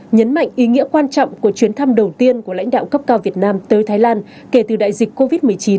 nhấn mạnh ý nghĩa quan trọng của chuyến thăm đầu tiên của lãnh đạo cấp cao việt nam tới thái lan kể từ đại dịch covid một mươi chín